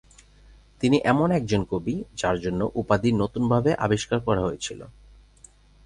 তিনি এমন একজন কবি যার জন্য উপাধি নতুনভাবে আবিষ্কার করা হয়েছিল।